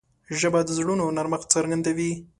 ژبه د زړونو نرمښت څرګندوي